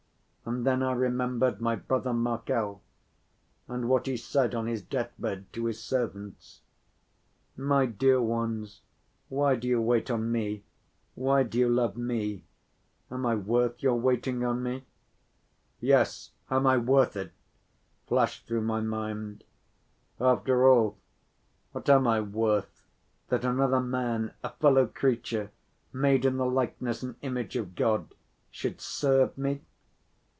And then I remembered my brother Markel and what he said on his death‐bed to his servants: "My dear ones, why do you wait on me, why do you love me, am I worth your waiting on me?" "Yes, am I worth it?" flashed through my mind. "After all what am I worth, that another man, a fellow creature, made in the likeness and image of God, should serve me?"